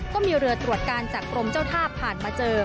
ก็มีเรือตรวจการจากกรมเจ้าท่าผ่านมาเจอ